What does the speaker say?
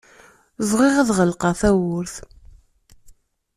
Bɣiɣ ad ɣelqeɣ tawwurt.